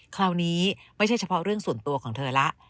คราวนี้ไม่ใช่เฉพาะเรื่องส่วนตัวของเธอแล้ว